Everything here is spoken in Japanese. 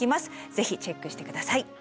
ぜひチェックして下さい。